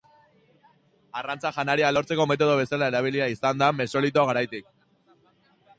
Arrantza janaria lortzeko metodo bezala erabilia izan da Mesolito garaitik.